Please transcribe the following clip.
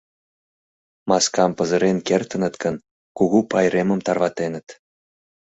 Маскам пызырен кертыныт гын, кугу пайремым тарватеныт.